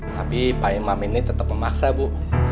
tapi pak imam ini tetap memaksa bu